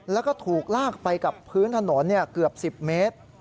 แล้วก็ถูกลากไปกับพื้นถนนเกือบ๑๐เมตร